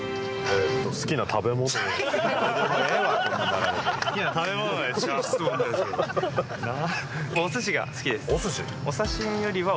好きな食べ物は？